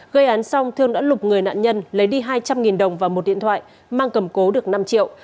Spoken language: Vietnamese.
gây án xong thương đã lục người nạn nhân lấy đi hai trăm linh đồng và một điện thoại mang cầm cố được năm triệu